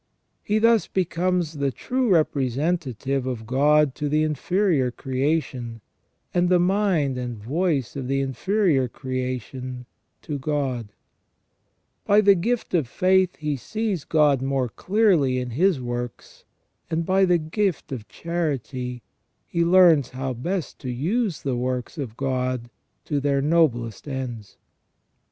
He thus becomes the true representative of God to the inferior creation, and the mind and voice of the inferior creation 8o THE SECONDARY IMAGE OF GOD IN MAN. to God. By the gift of faith he sees God more clearly in His works, and by the gift of charity he learns how best to use the works of God to their noblest ends.